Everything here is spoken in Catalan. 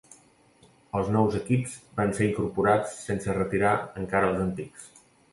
Els nous equips van ser incorporats sense retirar encara els antics.